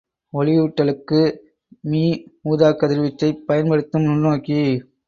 ஒளியூட்டலுக்கு மீஊதாக்கதிர்வீச்சைப் பயன்படுத்தும் நுண்ணோக்கி.